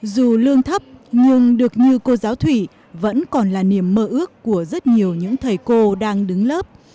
dù lương thấp nhưng được như cô giáo thủy vẫn còn là niềm mơ ước của rất nhiều những thầy cô đang đứng lớp